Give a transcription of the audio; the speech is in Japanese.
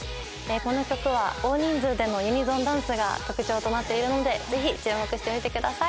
この曲は大人数でのユニゾンダンスが特徴となっているのでぜひ注目してみてください。